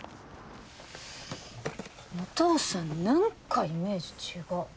お父さん何かイメージ違う。